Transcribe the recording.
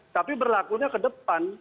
tapi berlakunya ke depan